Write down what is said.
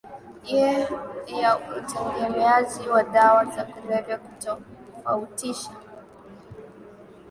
ya utegemeaji wa dawa za kulevya hutofautiana sana kulingana